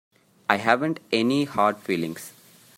I haven't any hard feelings.